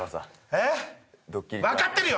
えっ？